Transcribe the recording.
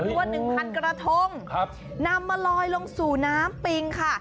รวดหนึ่งพันกระทงครับนำมาลอยลงสู่น้ำปิงค่ะ